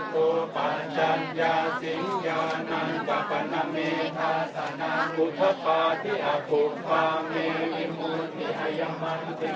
มีผู้ที่ได้รับบาดเจ็บและถูกนำตัวส่งโรงพยาบาลเป็นผู้หญิงวัยกลางคน